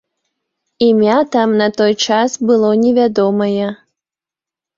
Імя там на той час было невядомае.